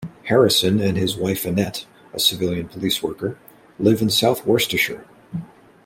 Harrison and his wife Annette, a civilian police worker, live in south Worcestershire.